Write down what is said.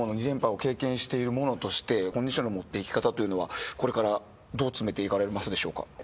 ２連覇を経験している者としてコンディションの持っていき方というのはこれからどう詰めていかれますでしょうか？